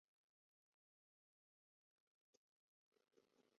Diamond aparece en el disco "The Lost Album".